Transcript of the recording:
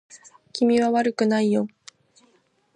君は悪くないよ